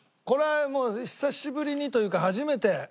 これはもう久しぶりにというか初めて。